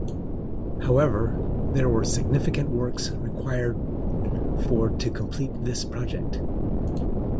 However, there were significant works required for to complete this project.